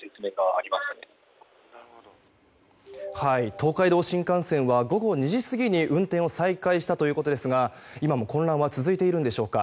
東海道新幹線は午後２時過ぎに運転を再開したということですが今も混乱は続いているんでしょうか。